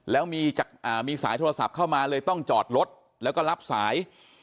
แล้วมีสายโทรศัพท์เข้ามาเลยต้องจอดรถแล้วก็รับสาย